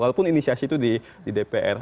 walaupun inisiasi itu di dpr